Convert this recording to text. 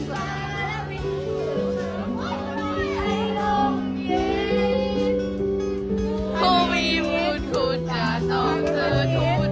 สวัสดีครับทุกคน